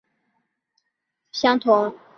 它的作用机理和乙酰半胱氨酸相同。